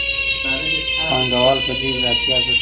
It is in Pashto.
پانګوال په دې اضافي ارزښت څه کوي